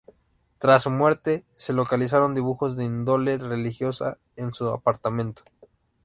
Tras su muerte, se localizaron dibujos de índole religiosa en su apartamento.